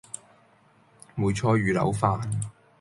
梅菜魚柳飯